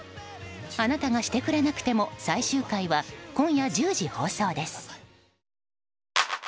「あなたがしてくれなくても」最終回は今夜１０時放送です。